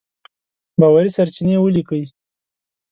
باوري سرچينې وليکئ!.